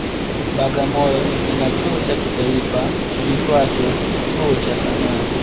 Bagamoyo ina chuo cha kitaifa kiitwacho cha Chuo cha sanaa